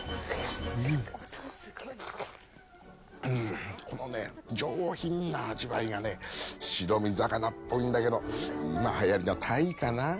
うんこのね上品な味わいがね白身魚っぽいんだけど今流行りのタイかな？